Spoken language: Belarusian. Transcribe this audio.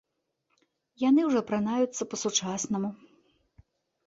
Яны ўжо апранаюцца па-сучаснаму.